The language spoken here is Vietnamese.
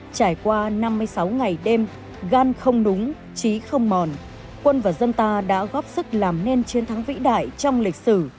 trải qua năm mươi sáu ngày đêm gan không đúng trí không mòn quân và dân ta đã góp sức làm nên chiến thắng vĩ đại trong lịch sử